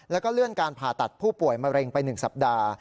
แล้วก็เลื่อนการผ่าตัดผู้ป่วยมะเร็งไป๑สัปดาห์